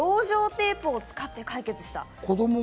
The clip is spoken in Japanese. テープを使って解決した。